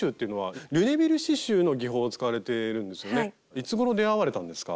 いつごろ出会われたんですか？